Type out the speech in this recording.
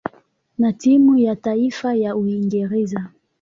na timu ya taifa ya Uingereza.